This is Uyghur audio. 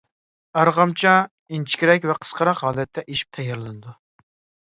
ئارغامچا — ئىنچىكىرەك ۋە قىسقىراق ھالەتتە ئېشىپ تەييارلىنىدۇ.